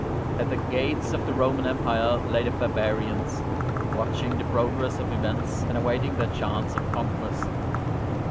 At the gates of the Roman Empire lay the barbarians, watching the progress of events and awaiting their chance of conquest.